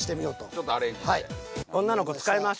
ちょっとアレンジで。